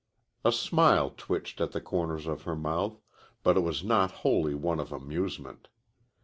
A smile twitched at the corners of her mouth, but it was not wholly one of amusement.